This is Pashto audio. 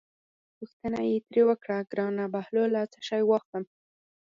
پوښتنه یې ترې وکړه: ګرانه بهلوله څه شی واخلم.